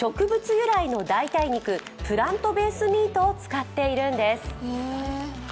由来の代替肉、プラントベースミートを使っているんです。